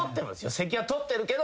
席は取ってるけど。